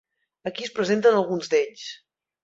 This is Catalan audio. Aquí es presenten alguns d'ells.